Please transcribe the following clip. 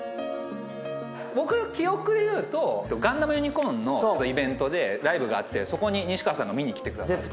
僕記憶でいうと『ガンダムユニコーン』のイベントでライブがあってそこに西川さんが見にきてくださった。